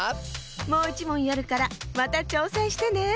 もういちもんやるからまたちょうせんしてね。